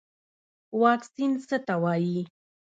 واکسین څه ته وایي